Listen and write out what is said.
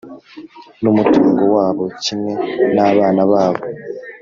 n umutungo wabo kimwe n abana babo